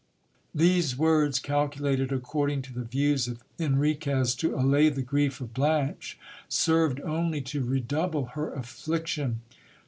These words, calculated, according to the views of Enriquez, to allay the grief of Blanche, served only to redouble her affliction.